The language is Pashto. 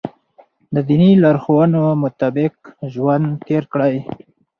د دیني لارښوونو مطابق ژوند تېر کړئ.